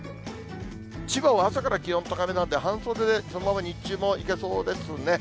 千葉は朝から気温高めなんで、半袖で、そのまま日中もいけそうですね。